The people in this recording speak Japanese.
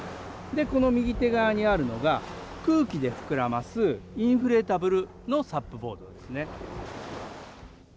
で、この右手側にあるのが、空気で膨らますインフレータブルのＳＵＰボードですね。